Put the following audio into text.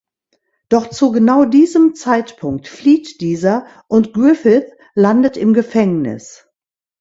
Doch zu genau diesem Zeitpunkt flieht dieser und Griffith landet im Gefängnis.